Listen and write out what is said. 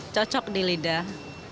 cocok di lidah